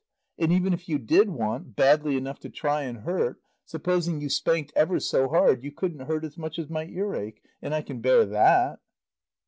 And even if you did want, badly enough to try and hurt, supposing you spanked ever so hard, you couldn't hurt as much as my earache. And I can bear that."